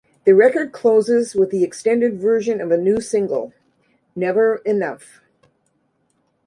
The record closes with the extended version of a new single, "Never Enough".